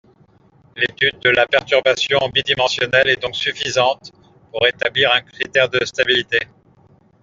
L'étude de la perturbation bidimensionnelle est donc suffisante pour établir un critère de stabilité.